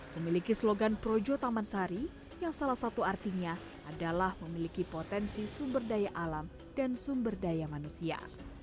memiliki slogan projo taman sari yang salah satu artinya adalah memiliki potensi sumber daya alam dan sumber daya manusia